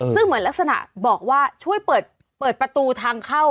ซึ่งเหมือนลักษณะบอกว่าช่วยเปิดประตูทางเข้า